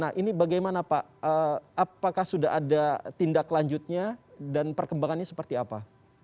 nah ini bagaimana pak apakah sudah ada tindak lanjutnya dan perkembangannya seperti apa